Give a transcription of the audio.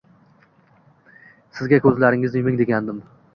Sizlarga koʻzlaringizni yuming deganim